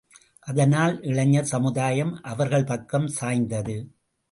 அதனால் இளைஞர் சமுதாயம் அவர்கள் பக்கம் சாய்ந்தது.